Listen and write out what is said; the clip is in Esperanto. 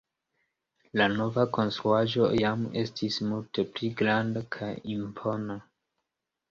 La nova konstruaĵo jam estis multe pli granda kaj impona.